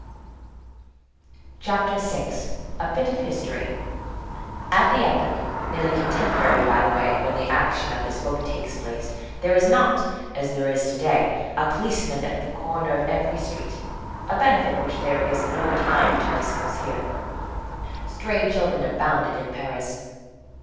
CHAPTER VI—A BIT OF HISTORY At the epoch, nearly contemporary by the way, when the action of this book takes place, there was not, as there is to day, a policeman at the corner of every street (a benefit which there is no time to discuss here); stray children abounded in Paris.